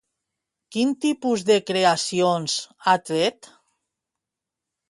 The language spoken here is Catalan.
Quin tipus de creacions ha tret?